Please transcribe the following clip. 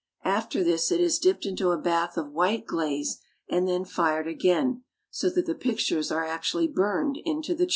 After this it is dipped into a bath of white glaze, and then fired again, so that the pictures are actually burned into the china.